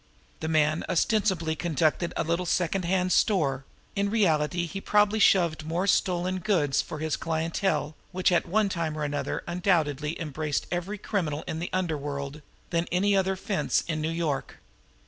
The man ostensibly conducted a little secondhand store; in reality he probably "shoved" more stolen goods for his clientele, which at one time or another undoubtedly embraced nearly every crook in the underworld, than any other "fence" in New York.